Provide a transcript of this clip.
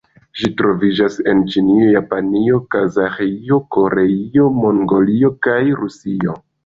Ĝi troviĝas en Ĉinio, Japanio, Kazaĥio, Koreio, Mongolio kaj Rusio.